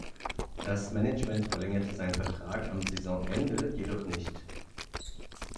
Das Management verlängerte seinen Vertrag am Saisonende jedoch nicht.